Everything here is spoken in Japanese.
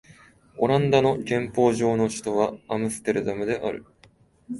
オランダの憲法上の首都はアムステルダムである